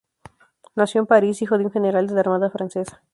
Nació en París, hijo de un general de la armada francesa.